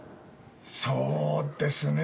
そうですねぇ。